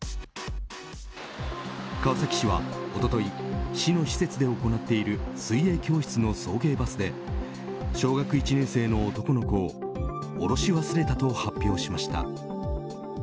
川崎市は一昨日市の施設で行っている水泳教室の送迎バスで小学１年生の男の子を降ろし忘れたと発表しました。